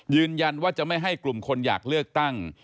ยืนยันว่าจะไม่ให้กลุ่มคนอยากเลือกตั้ง